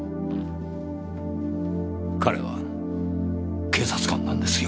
彼は警察官なんですよ。